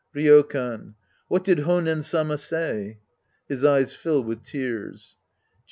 Ryokan. What did Honen Sama say ? {His eyes fill with tears.) Sc.